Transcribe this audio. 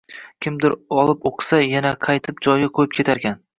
Kimdir olib oʻqisa, yana qaytib joyiga qoʻyib ketarkan.